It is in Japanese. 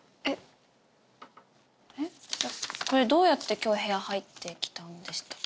これどうやって今日部屋入ってきたんでしたっけ？